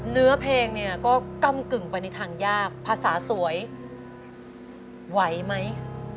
เนื้อเพลงเนี่ยก็กำกึ่งไปในทางยากภาษาสวยไหวไหม